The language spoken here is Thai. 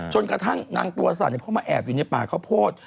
จนกระทั่งนางตัวสั่นเข้ามาแอบอยู่ในป่าข้าวโพด